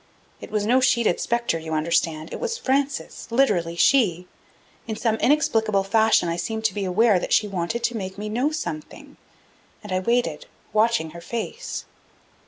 It was no sheeted specter, you understand; it was Frances, literally she. In some inexplicable fashion I seemed to be aware that she wanted to make me know something, and I waited, watching her face.